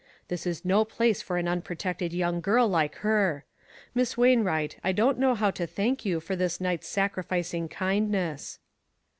This is no place for an unprotected young girl like her. Miss Wainwright, I don't know how to thank you for this night's sacrificing kindness."